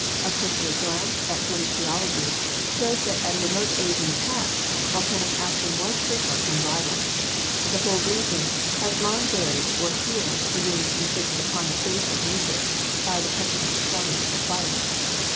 A cursory glance at British geology shows that at a remote age in the past, volcanic action was frequent and violent; but the whole region has long buried or healed the wounds inflicted upon the face of nature by the petulant giants of fire.